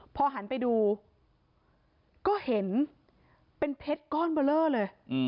พอหันไปดูก็เห็นเป็นเพชรก้อนเบอร์เลอร์เลย